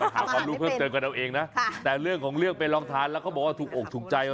หาความรู้เพิ่มเติมกันเอาเองนะแต่เรื่องของเรื่องไปลองทานแล้วเขาบอกว่าถูกอกถูกใจ